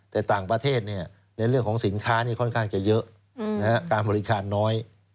แต่ต่างประเทศในเรื่องของสินค้าค่อนข้างจะเยอะการบริการน้อย